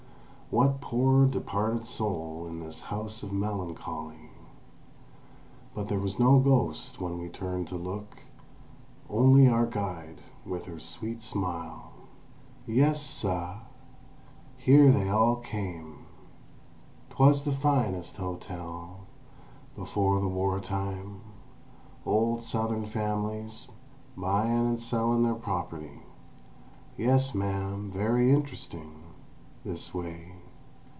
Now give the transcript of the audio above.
What poor departed soul in this House of Melancholy? But there was no ghost when we turned to look—only our old guide with her sweet smile. "Yes, suh. Here they all came—'twas the finest hotel—before the war time; old Southern families—buyin' an' sellin' their property. Yes, ma'am, very interesting! This way!